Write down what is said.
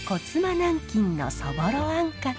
南京のそぼろあんかけ。